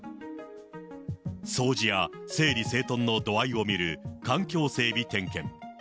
掃除や整理整頓の度合いを見る、環境整備点検。